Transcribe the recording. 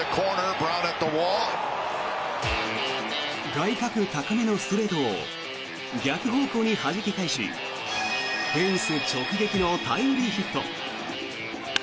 外角高めのストレートを逆方向にはじき返しフェンス直撃のタイムリーヒット。